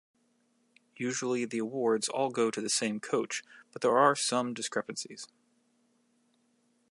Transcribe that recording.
Usually the awards all go to the same coach but there are some discrepancies.